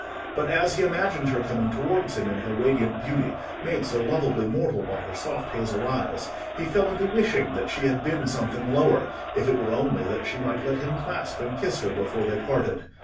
But as he imagined her coming towards him in her radiant beauty, made so loveably mortal by her soft hazel eyes, he fell into wishing that she had been something lower, if it were only that she might let him clasp her and kiss her before they parted.